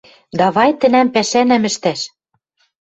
Давай тӹнӓм пӓшӓнӓм ӹштӓш.